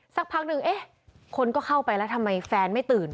สักพักหนึ่งเอ๊ะคนก็เข้าไปแล้วทำไมแฟนไม่ตื่น